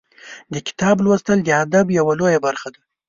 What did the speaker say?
د کتاب لوستل د ادب یوه لویه برخه ده.